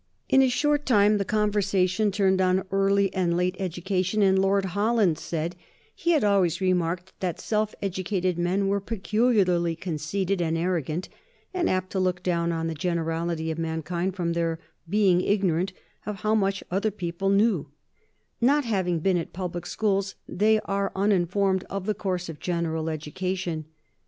In a short time the conversation turned on early and late education, and Lord Holland said he had always remarked that self educated men were peculiarly conceited and arrogant, and apt to look down on the generality of mankind from their being ignorant of how much other people knew; not having been at public schools, they are uninformed of the course of general education.